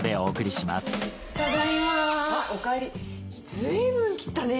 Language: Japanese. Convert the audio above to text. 随分切ったね！